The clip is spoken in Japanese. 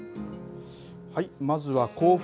まずは甲府。